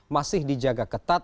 masih dijaga ketat